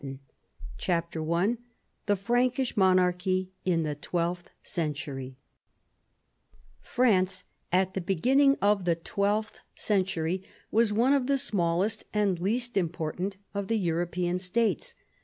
198 CHAPTER I THE FRANKISH MONARCHY IN THE TWELFTH CENTURY France at the beginning of the twelfth century was one of the smallest and least important of the European states.